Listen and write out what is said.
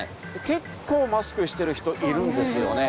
結構マスクしてる人いるんですよね。